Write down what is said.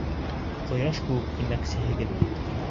— Ҡояш кеүек, тимәксеһеңме?